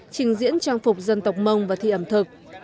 trình diễn trang phục dân tộc mông và thi ẩm thực